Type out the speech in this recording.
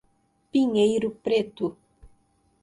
Pinheiro Preto